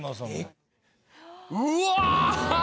うわ！